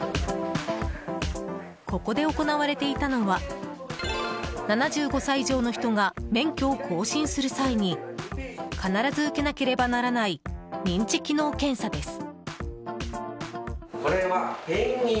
ここで行われていたのは７５歳以上の人が免許を更新する際に必ず受けなければならない認知機能検査です。